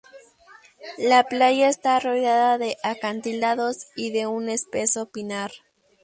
La playa está rodeada de acantilados y de un espeso pinar.